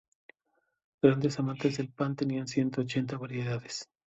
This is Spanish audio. Grandes amantes del pan, tenían ciento ochenta variedades.